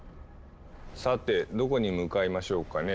さてどこに向かいましょうかね？